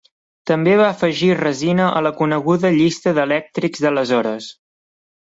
També va afegir resina a la coneguda llista d'elèctrics d'aleshores.